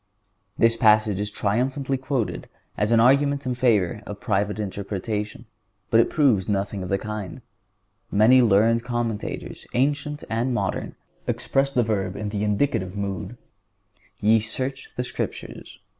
(138) This passage is triumphantly quoted as an argument in favor of private interpretation. But it proves nothing of the kind. Many learned commentators, ancient and modern, express the verb in the indicative mood: "Ye search the Scriptures."